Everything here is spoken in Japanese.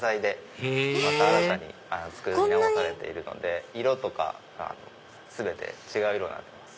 へぇまた新たに作り直されているので色とか全て違う色になってます。